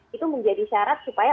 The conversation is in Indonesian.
itu menjadi syarat supaya